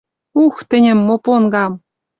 Ух! Тӹньӹм, опонгам!